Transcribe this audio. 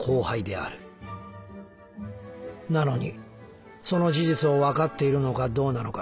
なのにその事実をわかっているのかどうなのか